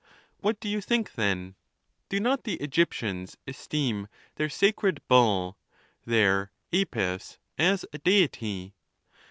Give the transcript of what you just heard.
What do you think, then ? Do not the Egyptians esteem their sacred bull, their Apis, as a Deity